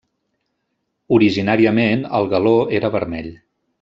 Originàriament el galó era vermell.